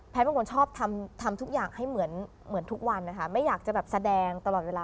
เป็นคนชอบทำทุกอย่างให้เหมือนทุกวันนะคะไม่อยากจะแบบแสดงตลอดเวลา